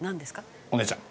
お姉ちゃん。